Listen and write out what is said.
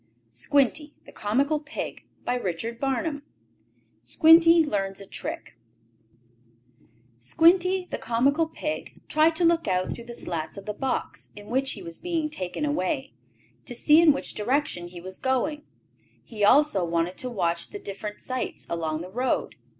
Squinty had started on his journey. CHAPTER VII SQUINTY LEARNS A TRICK Squinty, the comical pig, tried to look out through the slats of the box, in which he was being taken away, to see in which direction he was going. He also wanted to watch the different sights along the road.